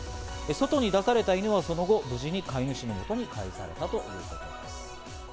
外に出された犬はその後、無事に飼い主の元に返されたということです。